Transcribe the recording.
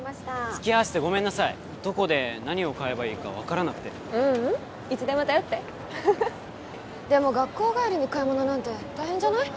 つきあわせてごめんなさいどこで何を買えばいいか分からなくてううんいつでも頼ってフフフでも学校帰りに買い物なんて大変じゃない？